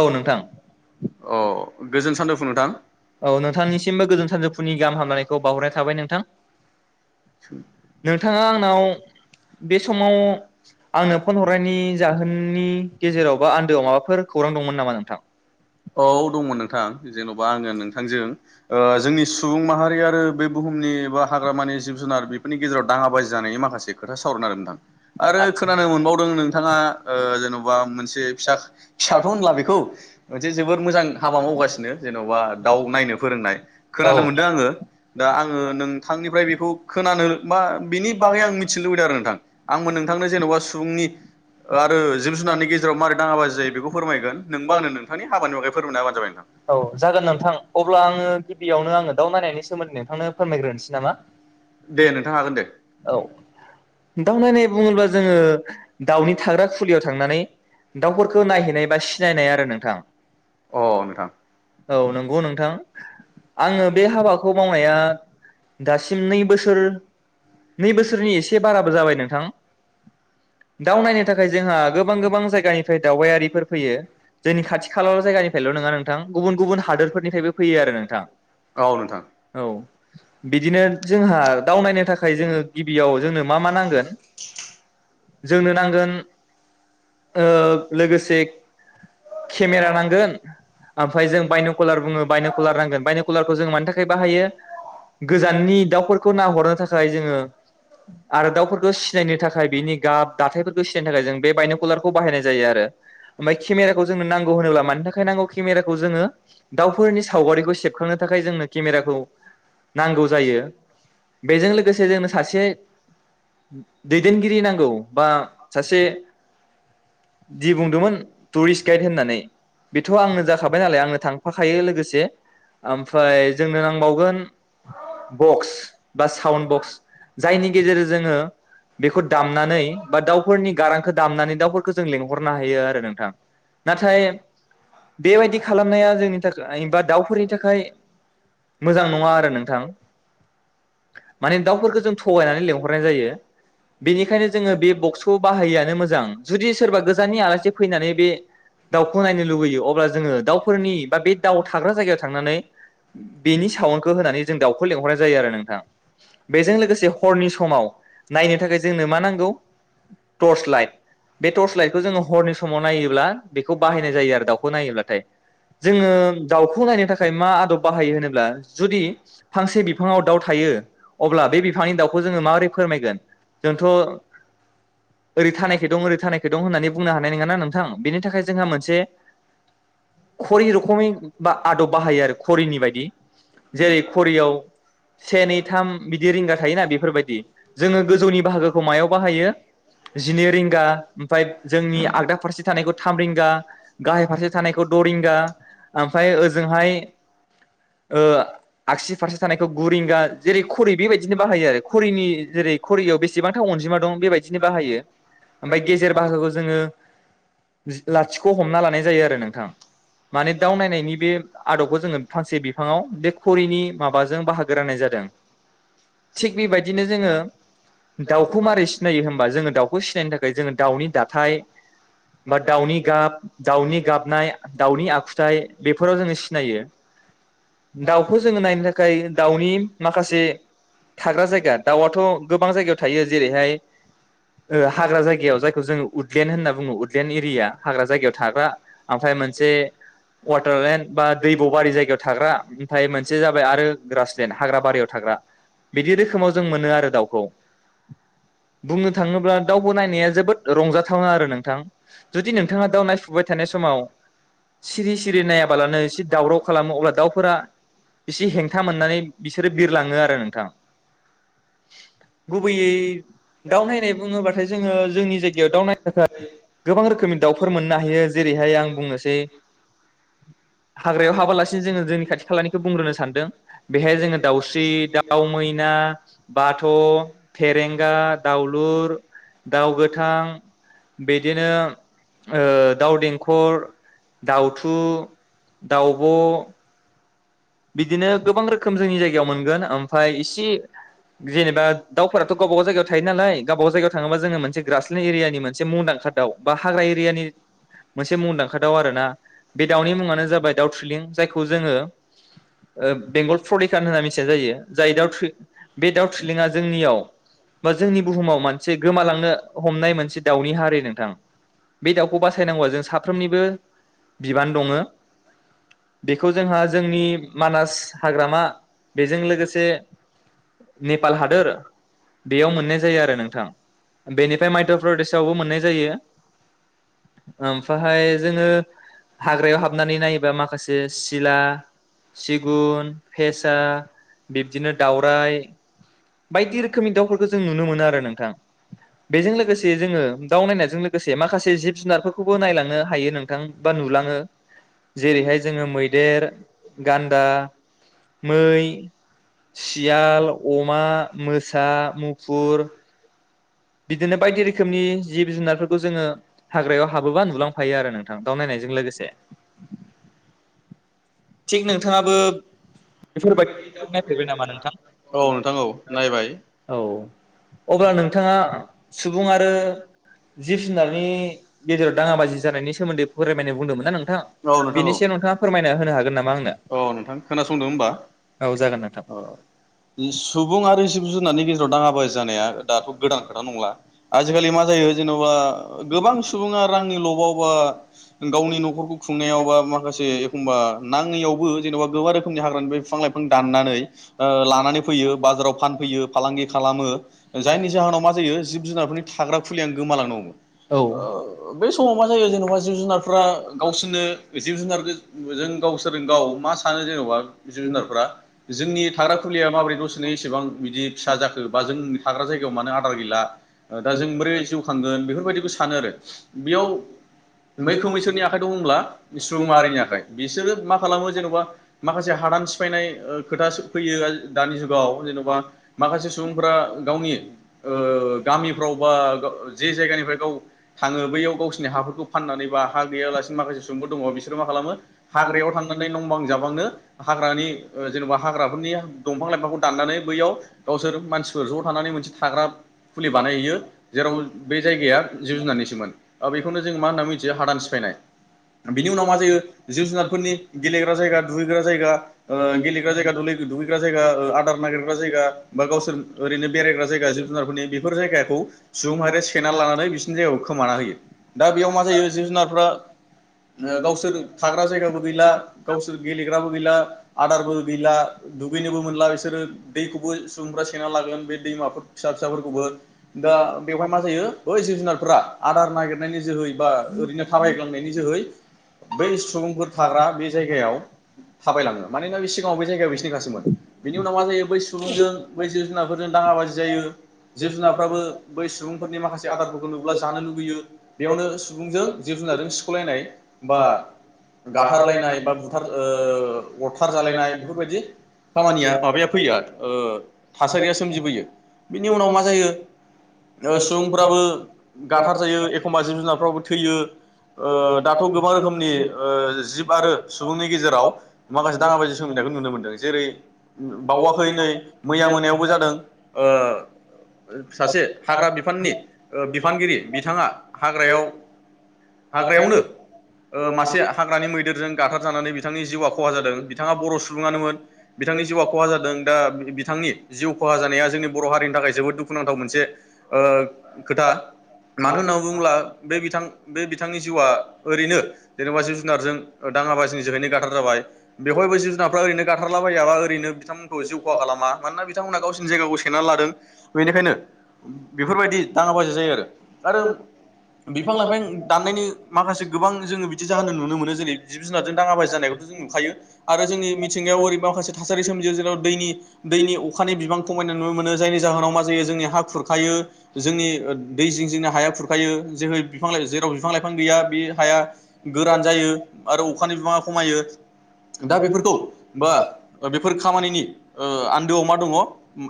औ नोंथां औ नोंथांनिसिमबो गोजोन सानजौफुनि गाहाम हामलायनायखौ बावहरनाय थाबाय नोंथां। नोंथाङा आंनाव बे समाव आंनो फन हरनायनि जाहोननि गेजेराव बा आन्दोआव माबाफोर औ दङ नोंथां जेनबा आङो नोंथांजों ओ जोंनि सुबुं माहारि आरो बे बुहुमनि बा हाग्रामानि जिब जुनार बेफोरनि गेजेराव दाङा बाजि जानायनि मा खासे खोथा सावरायनो नागिरदों नोंथां। आरो खोनानो मोनबावदों नोंथाङा ओ जेनबा मोनसे फिसा फिसाथ' होनला बेखौ मोनसे जोबोद मोजां हाबा मावगासिनो जेनबा दाउ नायनो फोरोंनाय खोनानो मोनदों आङो दा आङो नोंथांनिफ्राय बेखौ खोनानो मा बिनि बाहै आं मिथिनो लुबैदों आरो नोंथां। औ जागोन नोंथां अब्ला आङो गिबियावनो आङो दाउ नायनायनि सोमोन्दै नोंथांनो फोरमायग्रोनोसै नामा? औ दाउ नायनाय बुङोब्ला जोङो दाउनि थाग्रा खुलियाव थांनानै दाउफोरखौ नायहैनाय बा सिनायनाय आरो नोंथां औ नंगौ नोंथां आङो बे हाबाखौ मावनाया दासिम नै बोसोर नै बोसोरनि एसे बारा जाबाय नोंथां। दाव नायनो थाखाय जोंहा गोबां गोबां जायगानिफ्राय दावबायारिफोर फैयो जोंनि खाथि खाला जायगानिफ्रायल' नङा नोंथां गुबुन गुबुन हादोरफोरनिफ्रायबो फैयो आरो नोंथां औ बिदिनो जोंहा दाव नायनो थाखाय जोङो गिबियाव जोंनो मा मा नांगोन जोंनो नांगोन ओ लोगोसे केमेरा नांगोन आमफाय जों बायनकुलार बुङो बायनकुलार नांगोन बायनकुलारखौ जों मानि थाखाय बाहायो गोजाननि दाउफोरखौ नाहरनो थाखाय जोङो आरो दाउफोरखौ सिनायनो थाखाय बेनि गाब दाथायफोरखौ सिनायनो थाखाय जों बे बायनकुलार खौ बाहायनाय जायो आरो ओमफाय केमेराखौ जोंनो नांगौ होनोब्ला मानि थाखाय नांगौ केमेराखौ जोङो दावफोरनि सावगारिखौ सेबखांनो थाखाय जोंनो केमेराखौ नांगौ जायो बेजों लोगोसे जोंनो सासे दैदेनगिरि नांगौ बा सासे दि बुंदोंमोन टुरिस्ट गाइद होननानै बेथ'आंनो जाखाबाय नालाय आंनो थांफाखायो लोगोसे ओमफाय जोंनो नांबावगोन बक्स बा साउन्ड बक्स जायनि गेजेर जोङो बेखौ दामनानै बा दाउफोरनि गारांखौ दामनानै दाउफोरखौ जों लेंंहर होनना हायो आरो नोंथां नाथाय बेबायदि खालामनाया जोंनि थाखायबा दाउफोरनि थाखाय मोजां नङा आरो नोंथां माने दाउफोरखौ जों थगायनानै लेंहरनाय जायो बेनिखायनो जोङो बे बक्सखौ बाहायङिनो मोजां जुदि सोरबा गोजाननि आलासि फैनानै बे दाउखौ नायनो लुुबैयो अब्ला जोङो दाउफोरनि बा बे दाउ थाग्रा जायगायाव थांनानै बेनि साउन्खौ होनानै जों दाउखौ लेंहरनाय जायो आरो नोंथां बेजों लोगोसे हरनि समाव नायनो थाखाय जोंनो मा नांगौ टर्स लाइट बे टर्स लाइटखौ जोङो हरनि समाव नायोब्ला बेखौ बाहायनाय जायो आरो दाउखौ नायोब्लाथाय जोङो दाउखौ नायनो थाखाय मा आदब बाहायो होनोब्ला जुदि फांसे बिफाङाव दाउ थायो। अब्ला बे बिफानि दाउ जों माबोरै फोरमायगोन जोंथ' ओरै थानायखै दं ओरै थानायखै दं बुनो हानाय नङा ना नोंथां बिनि थाखाय जोंहा मोनसे घोड़ी रखमनि आदब बाहायो आरो घोड़ीनिबादि जेरै घोड़ीआव से नै थाम हाम बिदि रिंगा थायोना बेफोरबायदि जोङो गोजौनि बाहागोखौ मायाव बाहायो जिनै रिंगा ओमफाय जोंनि आगदा फारसे थानायखौ थाम रिंगा गाहाय फारसे थानायखौ द' रिंगा ओमफाय ओजोंहाय ओ आगसि फारसे सानायखौ गुरिंगा जेरै खुरि बेबायदिनो बाहायो आरो घरिनि जेरै खघरियाव बेसेबांथा अनजिमा दं बेबायदिनो बाहायो ओमफाय गेजेर बाहागोखौ जोङो। ओ जि लाथि खौ हमना लानाय जायो आरो नोंथां माने दाउ नायनायनि बे आदबखौ जोङो फांसे बिफाङाव बे घरिनि माबाजों बाहागो राननाय जादों थिग थिग बेबायदिनो जोङो दाउखौ मारै सिनायो होनबा जोङो दाउखौ सिनायनो थाखाय जोङो दाउनि दाथाय बा दाउनि गाब दाउनि गाबनाय दाउनि आखुथाय बेफोराव जोङो सिनायो दाउखौ जोङो नायनो थाखाय दाउनि माखासे थाग्रा जायगा दाउआथ' गोबां जायगायाव थायो जेरैहाय ओ हाग्रा जायगायाव जायखौ जोङो उदलेण्ड होनना बुङो उदलेण्ड एरिया हाग्रा जायगायाव था बा आमफाय मोनसे वाटारलेण्ड बा दैबौ बारि जायगायाव थाग्रा ओमफाय मोनसे जाबाय आरो ग्रासलेण्ड हाग्रा बारियाव थाग्रा बिदि रोखोमाव जों मोनो आरो दाउखौ बुंनो थाङोब्ला दाउखौ नायनाया जोबोद रंजाथाव आरो नोंथां जुदि नोंथाङा दाउ नायफु थानाय समाव सिरि सिरि नायाबालानो एसे दावराव खालामो अब्ला दाउफोरा एसे हेंथा मोननानै बिसोरो बिरलाङो आरो नोंथां। गुबैयै दाउ नायनाय बुङोब्लाथाय जोङो जोंनि जायगायाव दाउ नायनो थाखाय गोबां रोखोमनि दाउफोर मोननो हायो जेरैहाय आं बुंनोसै हाग्रायाव हाबालासिनो जोङो जोंनि खाथि खालानिखौ बुंग्रोनो सानदों बेहाय जोङो दाउस्रि दाउमैना दा बाथ' फेरेंगा दाउलुर दाउ गोथां बिदिनो ओ दाउ देंखर दाउथु दाउब'। बिदिनो गोबां रोखोम जोंनि जायगायाव मोनगोन ओमफफ्राय इसे जेनेबा दाउफोराथ' गावबागाव जायगायाव थायो नालाय गावबागाव जायगायाव थाङोबा जोङो मोनसे ग्रासलेण्ड एरियानि मोनसे मुंदांखा दााव बा हाग्रा एरियानि मोनसे मुंदांखा दाव आर ना बे दाउनि मुङानो जाबाय दाउ थुलिं जायखौ जोङो बेंगल प्रदेकान होनना मिथिनाय जायो जाय दाउथ्रि बे दाउ थ्रिलिंआ जोंनियाव बा जोंनि बुहुमाव मोनसे गोमालांनो हमनाय मोनसे दाउनि हारि नोंथां बे दाउखौ बासायनांगौआ जों साफ्रोमनिबो बिबान दङो। बेखौ जोंहा जोंनि मानास हाग्रामा बेजों लोगोसे नेपाल हादोर बेयाव मोननाय जायो आरो नोंथां बेनिफ्राय मध्य प्रदेशआवबो मोननाय जायो। ओमफ्रायाहाय जोङो हाग्रायाव हाबनानै नायोबा माखासे सिला सिगुन फेसा बिबदिनो दाउराइ बायदि रोखोमनि दाउफोरखौ जों नुनो मोनो आरो नोंथां बेजों लोगोसे जोङो दाउ नायनायजों लोगोसे माखासे जिब जुन खौबो नायलांनो हायो नोंथां बा नुलाङो जेरैहाय जोङो मैदेर गान्दा मै सियाल अमा मोसा मुफुर बिदिनो बायदि रोखोमनि जिब जुनारफोरखौ जोङो हाग्रायाव हाबोबा नुलांफायो आरो नोंथां दा नायनायजों लोगोसे औ नोंथां औ नायबाय। सुबुं आरो जिब जुनारनि गेजेराव दाङाबाजि जानायनि सोमोन्दै फोरायमायनाय बुंदोंमोन ना नोंथां बेनि सायाव नोंथाङा फोरमायना होनो हागोन ना? औ नोंथां खोनासंदों होनबा औ सुबुं आरो जिब जुनारनि गेजेराव दाङाबाजि जानाया दाथ गोदान खोथा नङा। ब्ला आजिखालि मा जायो जेनेबा गोबां सुबुङा रांनि लबाव बा गावनि नखरखौ खुंनायाव बा माखासे एखमबा नाङैयावबो जेनबा गोबां रोखोमनि हाग्रानिफ्राय बिफां लाइफां दाननानै लानानै फैयो बाजाराव फानफैयो फालांगि खालामो जायनि जाहोनाव मा जायो। जिब जुनारफोरनि थाग्रा खुलियानो गोमालांनो हमो ओ बे समाव मा जायो जेनेबा जिब जुनारफ्रा गावसोरनो जिब जुनार जों गावसोरजों गाव मा सानो जेनबा जिब जुनारफ्रा जोंनि थाग्रा खुलिया माबोरै दसेनो इसेबां बिदि फिसा जाखो बा जोंनि थाग्रा जायगायाव मानो आदार गैला ओ दा जों बोरै जिउ खांगोन बेफोरबायदिखौ सानो आरो बेयाव मैखोमै सोरनि आखाइ दं होमब्ला सुबुं माहारिनि आखाइ बिसोरो मा खालामो जेनबा माखासे हादान सिफायनाय ओ खोथा फैयो दानि जुगाव जेनबा माखासे सुबुंफोरा गावनि ओह गामिफ्राव बा गाव जे जायगानिफ्राय गाव थाङो बैयाव गावसिनि हाफोरखौ फाननानै बा हा गैयालासिनो माखासे सुबुंफोर दङ बिसोरो मा खालामो हाग्रायाव थांनानै नं बां जाबांनो हाग्रानि ओ जेनबा हाग्राफोरनि दंफां लाइफांखौ दाननानै बैयाव गावसोर मानसिफोर ज थानानै मोनसे थाग्रा फुलि बानायहैयो जेराव बे जायगाया जिब जुनारनिसोमोन ओ बेखौनो जों मा होनना मिथियो हादान सिफायनाय बिनि उनाव मा जायो जिब जुनारफोरनि गेलेग्रा जायगा दुगैग्रा जायगा ओ गेलेग्रा जायगा दुलै दुगैग्रा जायगा ओ आदार नागिरग्रा जायगा बा गावसोर ओरैनो बेरायग्रा जायगा जिब जुनारफोरनि बे फोर जायगाखौ सुबुं माहारिया सेना लानानै बिसिनि जायगाखौ खोमाना होयो दा बेयाव मा जायो जिब जुनारफ्रा ओ गावसोर थाग्रा जायगाबो गैला गावसोर गेलेग्राबो गैला आदारबो गैला दुगैनोबो मोनला बिसोरो दैखौबो सुबुंफ्रा सेना लागोन बे दैमाफोर फिसा फिसाफोर खौबो दा बेवहाय मा जायो बै जिब जुनारफ्रा आदार नागिरनायनि जोहै बा ओरैनो थाबायग्लांनायनि जोहै बै सुबुंफोर थाग्रा बे जायगायाव थाबायलाङो मानोना बे सिगाङाव बे जायगाया बिसिनिखासोमोन बेनि उनाव मा जायो बै सुबुंजों बै जिब जुनारफोरजों दाङा बाजि जायो। जिब जुनारफ्राबो बै सुबुंफोरनि माखासे आदारफोरखौ नु्ब्ला जानो लुुबैयो बेयावनो सुबुंजों जिब जुनारजों सिखलायनाय बा गाथारलायनाय बा बुथार ओ अरथार जालायनाय बेफोरबायदि खामानिया माबाया फैयो ओ थासारिया सोमजिबोयो। बिनि उनाव मा जायो ओ सुबुंफ्राबो गाथार जायो एखमबा जिब जुनारफ्राबो थैयो ओ दाथ गोबां रोखोमनि ओ जिब आरो सुबुंनि गेजेराव माखासे दाङाबाजि सोमजिनायखौ नुनो मोनदों जेरै बावाखै नै मैया मोनायावबो जादों ओ सासे हाग्रा बिफाननि ओ बिफानगिरि बिथाङा हाग्रायाव हाग्रायावनो ओ मा से हाग्रानि मैदेरजों गाथार जानानै बिथांनि जिउआ खहा जादों बिथाङा बर सुबुङानोमोन बिथांनि जिउआ खहा जादों दा बिथांनि जिउ खहा जानाय जोंनि बर हारिनि थाखाय जोबोद दुखुनांथाव मोनसे ओ खोथा मानो होनना बुङोब्ला बे बिथां बे बिथांनि जिउआ ओरैनो जेनेबा जिब जुनारजों दाङाबाजिनि जोहैयनो गाथार जाबाय बेवहायबो जिब जुनारफ्रा ओरैनो गाथारला बायजाबा ओरैनो बिथांमोनखौ जिउ खहा खालामा मानोना बिथांमोना गावसिनि जायगायाव सेना लादों बेनिखायनो बेफोरबायदि दाङा बाजि जायो आरो आरो बिफां लाइफां दाननायनि माखासे गोबां जोङो जाहोन नुनो मोनो जेरै जिब जुनारजों दाङाबाजि जानायखौ जों नुखायो आरो जोंनि मिथिंगायाव ओरै माखासे थासारि सोमजियो जेराव दैनि दैनि अखानि बिबांखौ [unintelligible] नुनो मोनो जायनि जाहोनाव मा जायो जोंनि हा खुरखायो, जोंनि दै जिं-जिंनि हाया खुरखायो जेबो जेराव बिफां-लाइफां गैया बे हाया गोरान जायो आरो अखानि बिबाङा खमायो दा बेफोरखौ बा बेफोर खामानिनि ओ आन्दोआव मा दङ?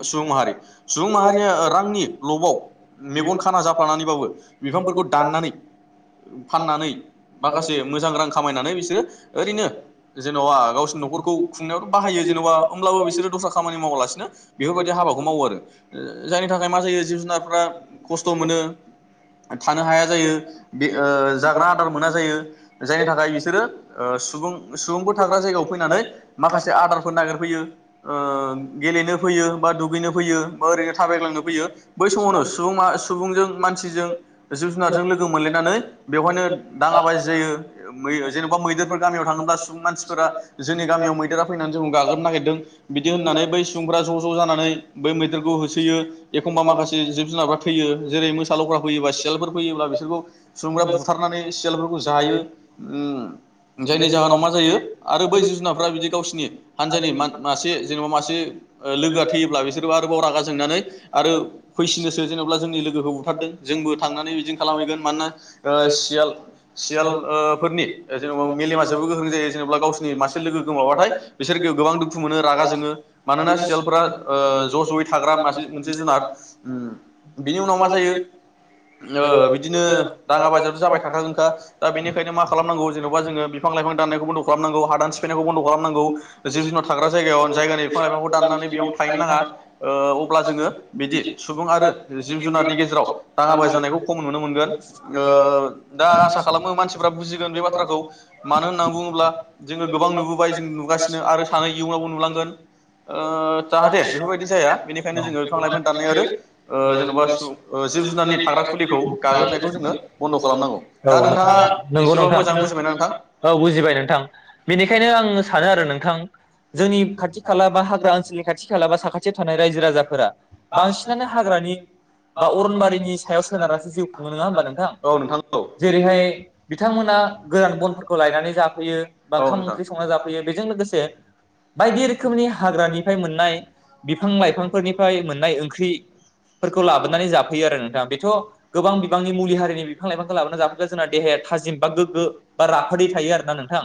सुबुं माहारि सुबुं माहारिया रांनि लबाव मेगन खाना जाफ्लानानैबाबो बिफांफोरखौ दाननानै फाननानै माखासे मोजां रां खामायनानै बिसोरो ओरैनो जेनबा गावसिनि नखरखौ खुंनायावथ बाहायो जेनेबा होमब्लाबो बिसोरो दस्रा खामानि मावालासिनो बेफोरबायदि हाबाखौ मावो आरो जायनि थाखाय मा जायो जिब जुनारफ्रा खस्थ मोनो, थानो हाया जायो बे जाग्रा आदार मोना जायो जायनि थाखाय बिसोरो सुबुं सुबुंफोर थाग्रा जायगायाव फैनानै माखासे आदारफोर नागिरफैयो गेलेनो फैयो बा दुगैनो फैयो बा ओरैनो थाबायग्लांनो फैयो बै समावनो सुबुं माहा सुबुंजों मानसिजों जिब जुनारजों लोगो मोनलायनानै बेवहायनो दाङा बाजि जायो मै जेनेबा मैदेरफोर गामियाव थाङोब्ला सुबुं मानसिफोरा जोंनि गामियाव मैदेरा फैनानै जों गाग्लोबनो नागिरदों बिदि होननानै बै सुबुंफोरा ज-ज जानानै बै मैदेरखौ होसोयो एखमबा माखासे जिब जुनारफ्रा थैयो जेरै- मोसा, लख्रा फैयोबा, सियालफोर फैयोब्ला, बिसोरखौ सुबुंफ्रा बुथारनानै सियालफोरखौ जायो ओम जायनि जाहोनाव मा जायो आरो बै जिब-जुनारफ्रा बिदि गावसोरनि हानजानि मान मासे जेनेबा मासे लोगोआ थैयोब्ला [unintelligible] आरो फैसिनोसो, जेनोबा जोंनि लोगोखौ बुथारदों जोंबो थांनानै बिदि खालामहैगोन। ओ सियाल सियाल ओ फोरनि जेनेबा मेलेमा जोबो गोख्रों जायो। जेनेबा गावोरनि मासे लोगो गोमाबाथाय बिसोर गोबां दुखु मोनो रागा जोङो मानोना सियाल ओ ज जयै थाग्रा मासे मोनसे जुनार उम बिनि उनाव मा जायो ओ बिदिनो दाङा बाजियाथ जाबाय थाखागोन दा बेनिखायनो मा खालामनांगौ जेनबा जोङो बिफां लाइफां दाननायखौ बन्द खालामनांगौ, हादान सिफायनायखौ बन्द खालामनांगौ, जिब-जुनार थाग्रा जायगायाव जायगानि बिफां लाइफांखौ दान्नानै बेयाव थाहैनो नाङा ओ अब्ला जोङो बिदि सुबुं आरो जिब जुनारनि गेजेराव दाङाबाजि जानायखौ खम नुनो मोनगोन ओ दा आसा खालामो मानसिफ्रा बुजिगोन बे बाथ्राखौ मानो होननानै बुङोब्ला जोङो गोबां नुबोबाय जों नुगासिनो आरो सानो इयुनावबो नुलांगोन ओ जाहााथे बेफोरबायदि जाया बेनिखायनो जोङो बिफां-लाइफां दाननाय आरो ओ जेनेबा सु जिब-जुनारनि थाग्रा खुलिखौ गाग्लोबनायखौ जोङो बन्द खालामनांगौ। औ नंगौ नोंथां‌। औ बुजिबाय नोंथां। बेनिखायनो आं सानो आरो नोंथां जोंनि खाथि-खाला बा हाग्रा ओनसोलनि खाथि-खाला बा साखाथियाव थानाय रायजो राजाफोरा बांसिनानो हाग्रानि बा अरनबारिनि सायाव सोनारनासो जिउ खुङो नङा होमबा नोंथां? जेरैहाय बिथांमोना गोरान बनफोरखौ लायनानै जाफैयो बा ओंखाम ओंख्रि संना जाफैयो बेजों लोगोसे बायदि रोखोमनि हाग्रानि फाय मोननाय बिफां-लाइफांफोरनिफ्राय मोननाय ओंख्रिफोरखौ लाबोनानै जाफैयो आरो नोंथाङा बेथ गोबां बिबांनि मुलि हारिनि बिफां-लाइफां लाबोना जाफैबा जोंना देहाया थाजिम बा गोगो बा राफोदै थायो आरोना नोंथां।